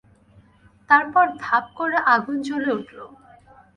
তারপর ধাপ করে আগুন জ্বলে উঠল।